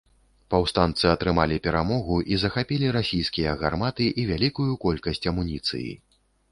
Паўстанцы атрымалі перамогу і захапілі расійскія гарматы і вялікую колькасць амуніцыі.